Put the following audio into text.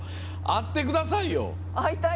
会ってくださいよ。